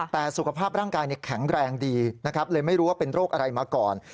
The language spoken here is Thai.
แต่สุขภาพร่างกายแข็งแรงดีนะครับเลยไม่รู้ว่าเป็นโรคอะไรมาก่อน